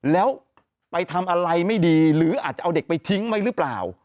แล้วไปทำอะไรไม่ดีหรืออาจจะเอาเด็กไปทิ้งไว้หรือเปล่า